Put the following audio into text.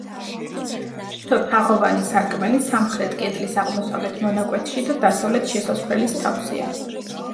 თითო თაღოვანი სარკმელი სამხრეთ კედლის აღმოსავლეთ მონაკვეთში და დასავლეთ შესასვლელის თავზეა.